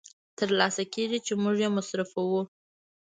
تر لاسه کېږي چې موږ یې مصرفوو